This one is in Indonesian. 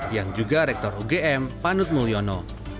yang juga rektor ugm panut mulyono